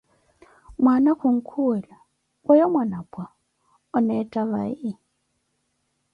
Mwaana kunkhuwela: Weyo Mwanapwa, oneettha vai?